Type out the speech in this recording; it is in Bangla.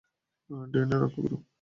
ডেইনের রক্ষা করো!